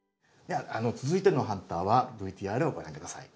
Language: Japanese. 続いてのハンターはＶＴＲをご覧下さい。